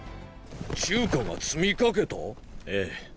中華が詰みかけた⁉ええ。